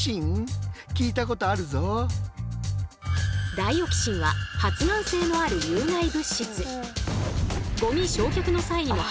ダイオキシンは発がん性のある有害物質。